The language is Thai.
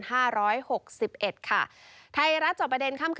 ห้าร้อยหกสิบเอ็ดค่ะไทยรัฐจอดประเด็นค่ะ